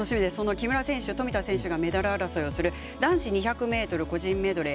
木村選手、富田選手がメダル争いをする男子２００ｍ個人メドレー